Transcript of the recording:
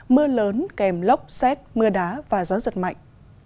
mưa lớn kèm lốc xét mưa đá và gió giật mạnh